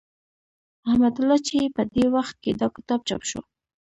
الحمد لله چې په دې وخت کې دا کتاب چاپ شو.